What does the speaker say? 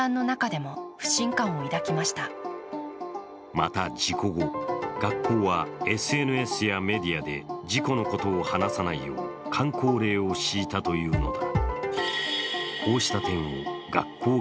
また事故後、学校はＳＮＳやメディアで事故のことを話さないようかん口令を敷いたというのだ。